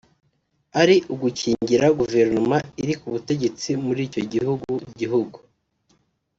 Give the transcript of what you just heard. ari ugukingira guverinoma iri ku butegetsi mur’icyo gihugu gihugu